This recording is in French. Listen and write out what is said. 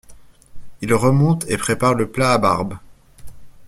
Il remonte et prépare le plat à barbe.